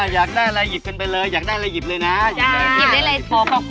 อยากได้อะไรหยิบกันไปเลยอยากได้อะไรหยิบเลยนะ